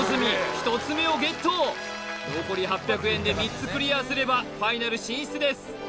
１つ目をＧＥＴ残り８００円で３つクリアすればファイナル進出です